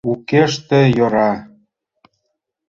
— Укеште йӧра...